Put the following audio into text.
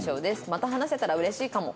また話せたらうれしいかも」